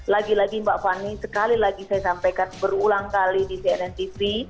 lagi lagi mbak fani sekali lagi saya sampaikan berulang kali di cnn tv